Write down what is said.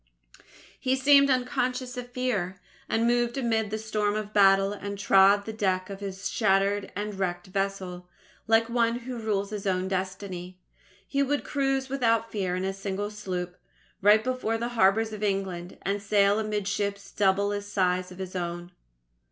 He seemed unconscious of fear, and moved amid the storm of battle, and trod the deck of his shattered and wrecked vessel, like one who rules his own destiny. He would cruise without fear in a single sloop, right before the harbours of England, and sail amid ships double the size of his own.